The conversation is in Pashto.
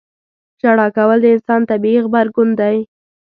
• ژړا کول د انسان طبیعي غبرګون دی.